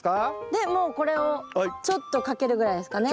でもうこれをちょっとかけるぐらいですかね。